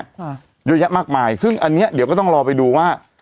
ค่ะเยอะแยะมากมายซึ่งอันเนี้ยเดี๋ยวก็ต้องรอไปดูว่า